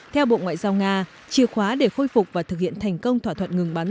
theo bộ ngoại giao nga chìa khóa để khôi phục và thực hiện thành công thỏa thuận ngừng bắn